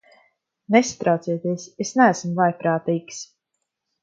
Nesatraucieties, es neesmu vājprātīgs.